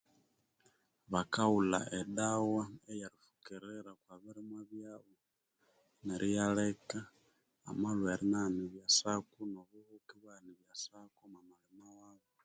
Bakaghulha edawa eywrifukirira okobirimwa neryo iyaleka amalhwere Indiana erisako nobuhuka